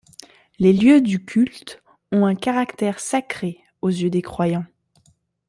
Les lieux du culte ont un caractère sacré aux yeux des croyants.